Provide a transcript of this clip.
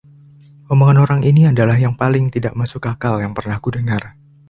Omongan orang ini adalah yang paling tidak masuk akal yang pernah aku dengar!